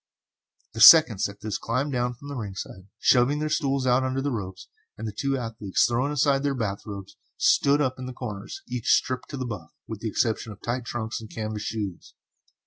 The seconds at this climbed down from the ringside, shoving their stools out under the ropes, and the two athletes, throwing aside their bath robes, stood up in their corners, each stripped to the buff, with the exception of tight trunks and canvas shoes.